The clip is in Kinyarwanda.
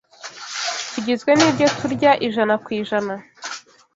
Tugizwe n’ibyo turya, ijana kwijana